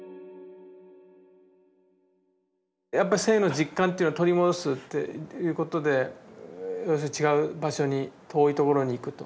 やっぱ生の実感というのを取り戻すっていうことで要するに違う場所に遠いところに行くと。